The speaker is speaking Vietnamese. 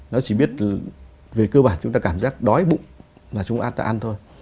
nó chỉ biết về cơ bản chúng ta cảm giác đói bụng là chúng ta ăn thôi